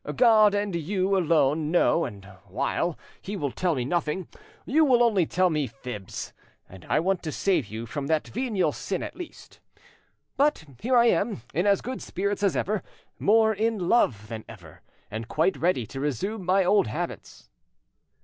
God and you alone know, and while He will tell me nothing, you would only tell me fibs, and I want to save you from that venial sin at least. But here I am, in as good spirits as ever, more in love than ever, and quite ready to resume my old habits."